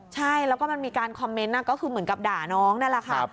ใช่แล้วก็มันมีการคอมเมนต์ก็คือเหมือนกับด่าน้องนั่นแหละค่ะ